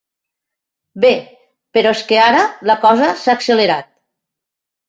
Bé, però és que ara la cosa s'ha accelerat.